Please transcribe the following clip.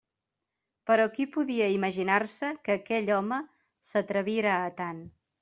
Però qui podia imaginar-se que aquell home s'atrevira a tant?